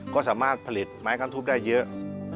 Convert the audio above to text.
ก็สามารถผลิตไม้คำทุบได้เยอะ